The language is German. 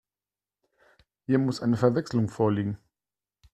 Hier muss eine Verwechslung vorliegen.